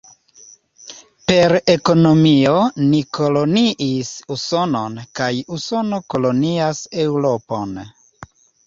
Per ekonomio ni koloniis Usonon kaj Usono kolonias Eŭropon.